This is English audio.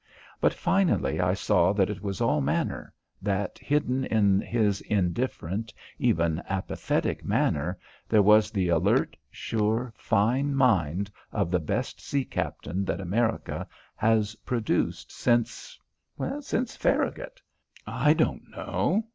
But finally I saw that it was all manner, that hidden in his indifferent, even apathetic, manner, there was the alert, sure, fine mind of the best sea captain that America has produced since since Farragut? I don't know.